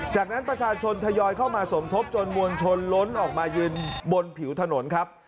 จากนั้นประชาชนทยอยเข้ามาสมทบจนมวลชนล้นออกมายืนบนผิวถนนครับ